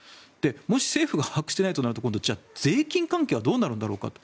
もし政府が把握していないとなると税金関係はどうなるんだろうかと。